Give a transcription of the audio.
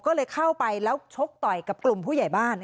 ก็เลยเข้าไปแล้วชกต่อยกับกลุ่มผู้ใหญ่บ้าน